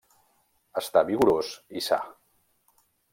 Està vigorós i sa.